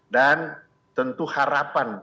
dan tentu harapan